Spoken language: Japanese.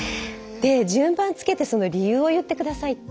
順番つけてその理由を言って下さいって。